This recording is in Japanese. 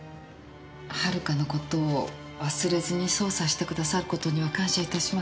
遥の事を忘れずに捜査してくださる事には感謝致します。